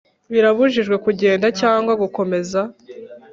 birabujijwe kugenda cyangwa gukomeza